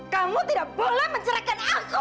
kamu tidak boleh mencerahkan hakmu